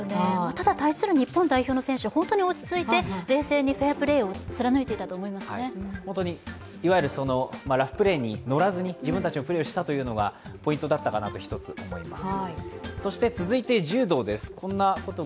ただ、対する日本代表の選手は本当に落ち着いて、冷静にフェアプレーを貫いていたと思いますねいわゆるラフプレーにのらず自分たちのプレーをしたのがポイントだったのかなと思います。